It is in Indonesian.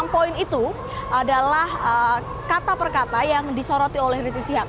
enam poin itu adalah kata per kata yang disoroti oleh rizik sihab